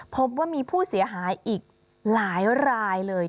พบว่ามีผู้เสียหายอีกหลายรายเลย